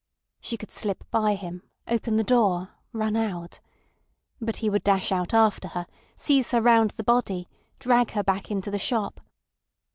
She could slip by him, open the door, run out. But he would dash out after her, seize her round the body, drag her back into the shop.